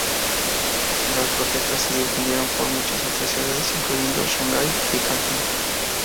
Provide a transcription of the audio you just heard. Las protestas se difundieron por muchas otras ciudades, incluyendo Shanghái y Cantón.